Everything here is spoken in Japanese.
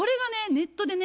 ネットでね